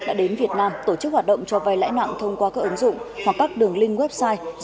đã đến việt nam tổ chức hoạt động cho vay lãi nặng thông qua các ứng dụng hoặc các đường link website